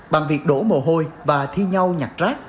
bằng việc đổ mồ hôi và thi nhau nhặt rác